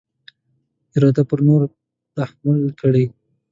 اراده پر نورو تحمیل کړي.